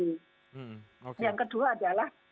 yang kedua adalah